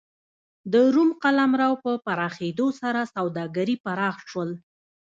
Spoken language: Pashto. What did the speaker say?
د روم قلمرو په پراخېدو سره سوداګري پراخ شول